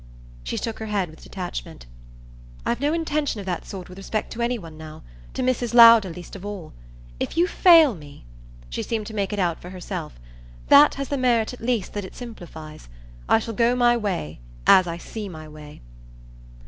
She shook her head with detachment. "I've no intention of that sort with respect to any one now to Mrs. Lowder least of all. If you fail me" she seemed to make it out for herself "that has the merit at least that it simplifies. I shall go my way as I see my way."